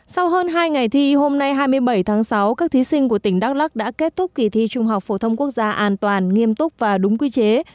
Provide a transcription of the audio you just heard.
sau hơn hai ngày thi hôm nay hai mươi bảy tháng sáu các thí sinh của tỉnh đắk lắc đã kết thúc kỳ thi trung học phổ thông quốc gia an toàn nghiêm túc và đúng quy chế